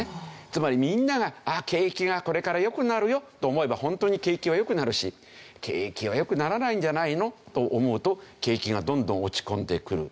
つまりみんなが景気がこれから良くなるよと思えばホントに景気は良くなるし景気は良くならないんじゃないのと思うと景気がどんどん落ち込んでくる。